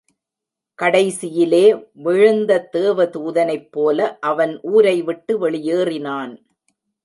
கடைசியிலே, விழுந்த தேவதூனை ப் போல அவன் ஊரைவிட்டு வெளியேறினான்.